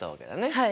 はい。